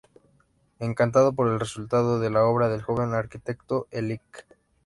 Encantado por el resultado de la obra del joven arquitecto, el Lic.